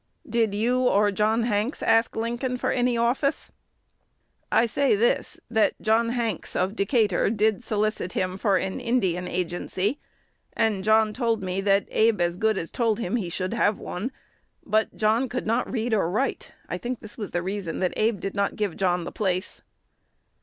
"Did you or John Hanks ask Lincoln for any office?" "I say this: that John Hanks, of Decatur, did solicit him for an Indian Agency; and John told me that Abe as good as told him he should have one. But John could not read or write. I think this was the reason that Abe did not give John the place.